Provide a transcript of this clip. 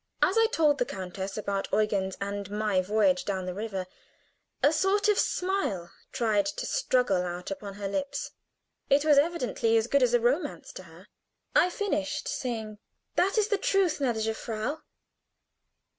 As I told the countess about Eugen's and my voyage down the river, a sort of smile tried to struggle out upon her lips; it was evidently as good as a romance to her. I finished, saying: "That is the truth, gnädige Frau.